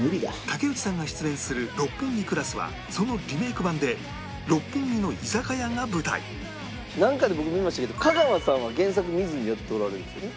竹内さんが出演する『六本木クラス』はそのリメイク版で六本木の居酒屋が舞台なんかで僕見ましたけど香川さんは原作見ずにやっておられるんですよね？